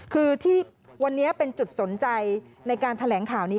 คือที่วันนี้เป็นจุดสนใจในการแถลงข่าวนี้